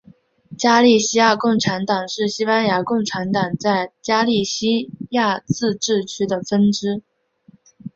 加利西亚共产党是西班牙共产党在加利西亚自治区的分支。